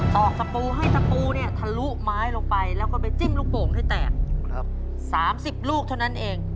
ตอกทะปูให้ทะปูถลุไม้ลงไปไปจิ้มลูกโป่งให้แตก๓๐ลูกเท่านั้นเอง